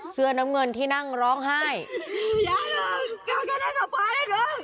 เสื้อน้ำเงินที่นั่งร้องไห้